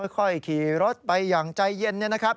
ค่อยขี่รถไปอย่างใจเย็นนะครับ